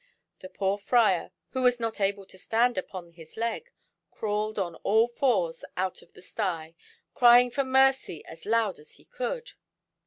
The poor Friar, who was not able to stand upon his leg, crawled on all fours out of the sty, crying for mercy as loud as he could.